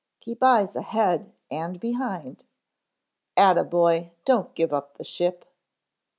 Keep eyes ahead and behind." "Atta boy. Don't give up the ship."